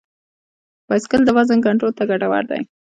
بایسکل د وزن کنټرول ته ګټور دی.